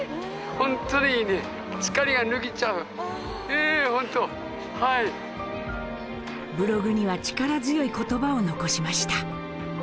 ブログには力強い言葉を残しました。